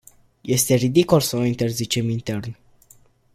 Este ridicol să o interzicem intern.